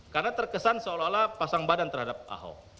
karena terkesan seolah olah pasang badan terhadap ahok